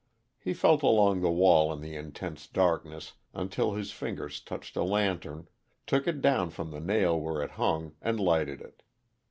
He felt along the wall in the intense darkness until his fingers touched a lantern, took it down from the nail where it hung, and lighted it.